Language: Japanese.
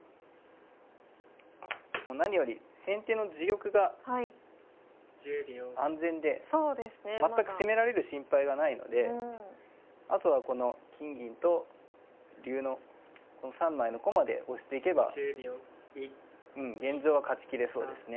もう何より先手の自玉が安全で全く攻められる心配がないのであとはこの金銀と竜の３枚の駒で押していけばうん現状は勝ちきれそうですね。